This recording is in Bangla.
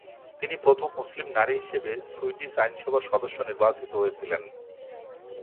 তিনি প্রথম মুসলিম নারী হিসেবে সুইডিশ আইনসভার সদস্য নির্বাচিত হয়েছিলেন।